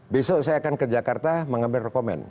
besok saya akan ke jakarta mengambil rekomen